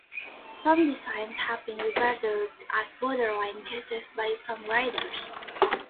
Some designs have been regarded as borderline cases by some writers.